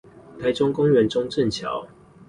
臺中公園中正橋